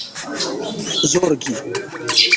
zorgi